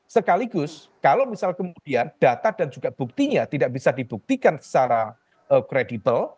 sekaligus kalau misal kemudian data dan juga buktinya tidak bisa dibuktikan secara kredibel